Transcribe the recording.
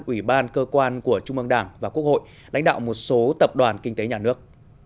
ủy ban cơ quan của trung mương đảng và quốc hội lãnh đạo một số tập đoàn kinh tế nhà nước